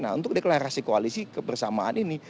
nah untuk deklarasi koalisi kebersamaan ini